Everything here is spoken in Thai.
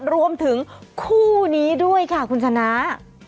รวมถึงคู่นี้ด้วยค่ะคุณชนะ